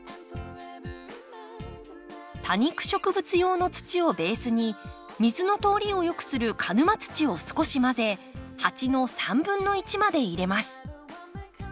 多肉植物用の土をベースに水の通りを良くする鹿沼土を少し混ぜ鉢の1/3まで入れます。